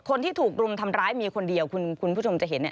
คนที่ถูกรุมทำร้ายมีคนเดียวคุณผู้ชมจะเห็นเนี่ย